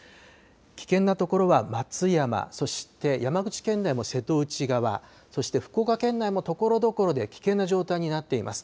危険なところは松山、そして山口県内も瀬戸内側、そして福岡県内もところどころで危険な状態になっています。